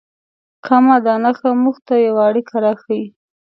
کامه دا نښه موږ ته یوه اړیکه راښیي.